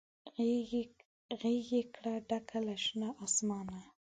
غیږ یې کړه ډکه له شنه اسمانه